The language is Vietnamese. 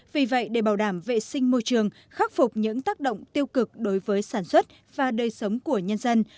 vì vậy để bảo đảm vệ sinh môi trường khắc phục những tác động tiêu cực đối với sản xuất và đời sống của nhân dân